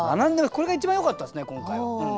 これが一番よかったですね今回。